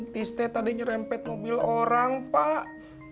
tista tadi nyerempet mobil orang pak